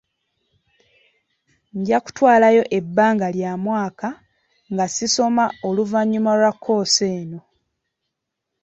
Nja kutwalayo ebbanga lya mwaka nga si soma oluvannyuma lwa kkoosi eno.